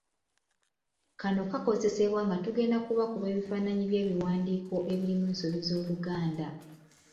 Kano kaakozesebwa nga tugenda kubakuba ebifaananyi by'ebiwandiiko ebirimu ensobi z'Oluganda.